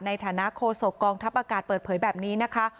ในฐานะโคศกองทัพอากาศเปิดเผยแบบนี้นะคะ